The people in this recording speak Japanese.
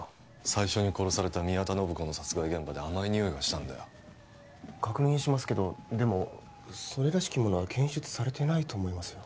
最初に殺された宮田信子の殺害現場で甘い匂いがしたんだよ確認しますけどでもそれらしきものは検出されてないと思いますよ